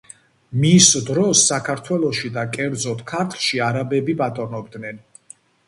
მის დროს საქართველოში და კერძოდ ქართლში არაბები ბატონობდნენ.